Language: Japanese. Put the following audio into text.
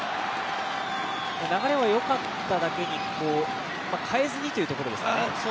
流れはよかっただけに、変えずにというところですかね。